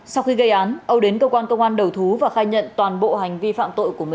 sau khi gây án âu đến cơ quan công an đầu thú và khai nhận toàn bộ hành vi phạm tội của mình